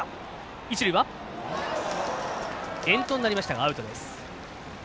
遠投になりましたがアウトです。